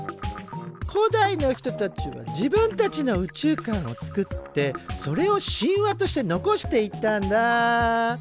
古代の人たちは自分たちの宇宙観を作ってそれを神話として残していったんだ。